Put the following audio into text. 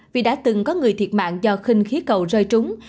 vì đã từng có người thiệt mạng do khinh khí cầu rơi trúng